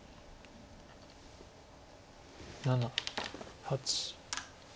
７８。